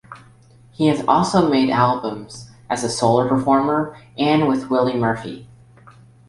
He has also made albums as a solo performer and with Willie Murphy.